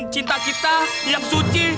cinta kita yang suci